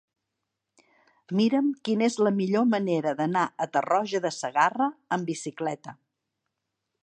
Mira'm quina és la millor manera d'anar a Tarroja de Segarra amb bicicleta.